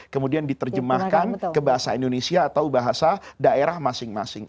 kemudian diterjemahkan ke bahasa indonesia atau bahasa daerah masing masing